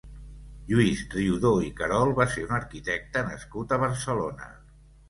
Lluís Riudor i Carol va ser un arquitecte nascut a Barcelona.